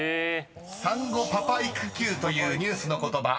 ［「産後パパ育休」というニュースの言葉